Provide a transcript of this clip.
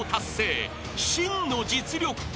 ［真の実力か？］